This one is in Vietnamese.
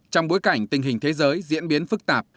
trong bối cảnh tình hình thế giới diễn biến phức tạp